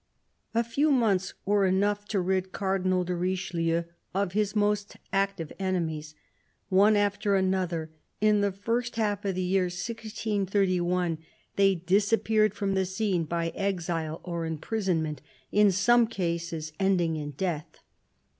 A FEW months were enough to rid Cardinal de Richelieu of his most active enemies. One after another, in the first half of the year 1631, they disappeared from the scene by exile or imprisonment, in some cases ending in death.